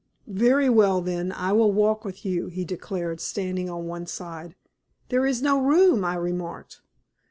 "Very well, then, I will walk with you," he declared, standing on one side. "There is no room," I remarked.